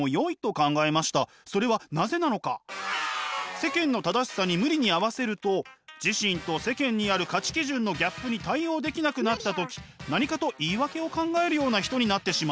世間の正しさに無理に合わせると自身と世間にある価値基準のギャップに対応できなくなった時何かと言い訳を考えるような人になってしまいます。